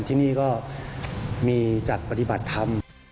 ที่นี่ก็มีจัดปฏิบัติธรรม